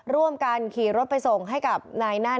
ร่วมกันจะขี่รถไปส่งให้เนยหน้าในที่ใกล้ขี่